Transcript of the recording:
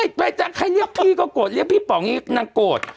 ไม่ไปจากใครเรียกพี่ก็โกรธเรียกพี่ป๋องนี่น่ากโกรธ